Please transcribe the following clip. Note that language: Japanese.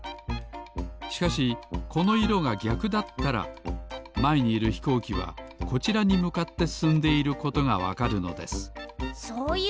しかしこの色がぎゃくだったらまえにいるひこうきはこちらにむかってすすんでいることがわかるのですそういうことか。